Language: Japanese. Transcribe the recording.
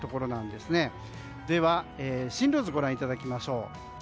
では、進路図をご覧いただきましょう。